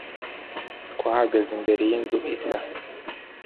Twahagaze imbere yinzu isa